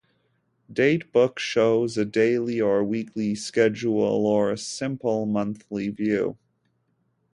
Date Book shows a daily or weekly schedule, or a simple monthly view.